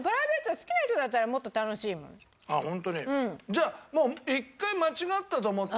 じゃあもう一回間違ったと思ってさ。